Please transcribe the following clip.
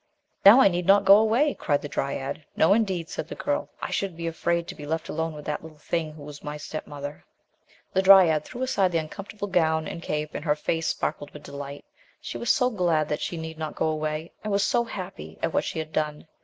"Now I need not go away," cried the dryad. "No, indeed," said the girl, "I should be afraid to be left alone with that little thing who was my step mother." HE dryad threw aside the uncomfortable gown and cape, and her face sparkled with delight ; she was so glad that she need not go away and was so happy at what she had done.